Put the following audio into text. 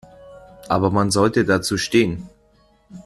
Aber man sollte dazu stehen.